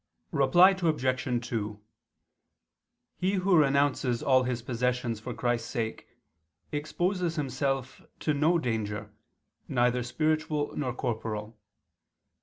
Reply Obj. 2: He who renounces all his possessions for Christ's sake exposes himself to no danger, neither spiritual nor corporal.